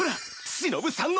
しのぶさんの。